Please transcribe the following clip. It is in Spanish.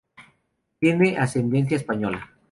Tiene ascendencia española.